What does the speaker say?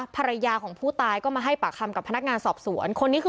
ภรรยาของผู้ตายก็มาให้ปากคำกับพนักงานสอบสวนคนนี้คือ